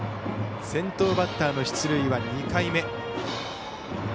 先頭バッターの出塁は２回目。